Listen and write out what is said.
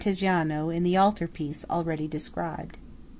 Tiziano in the altar piece already described.